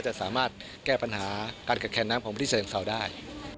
จะสามารถแก้ปัญหาการกระแคนน้ำของปฏิเสธศาสตร์ได้